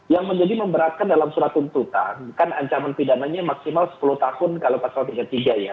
yang menjadi memberatkan dalam surat tuntutan kan ancaman pidananya maksimal sepuluh tahun kalau pasal tiga puluh tiga ya